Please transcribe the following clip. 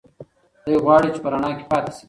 دی غواړي چې په رڼا کې پاتې شي.